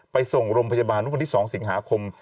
ไปส่งรมพยาบาลรุ่นที่๒สิงหาคม